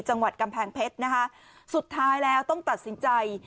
จังหวัดกำแพงเพชรนะคะสุดท้ายแล้วต้องตัดสินใจ